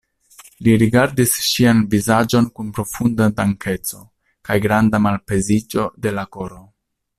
Li rigardis ŝian vizaĝon kun profunda dankeco kaj granda malpeziĝo de la koro.